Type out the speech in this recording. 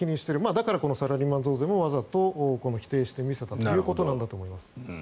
だからサラリーマン増税もわざと否定してみせたんだと思います。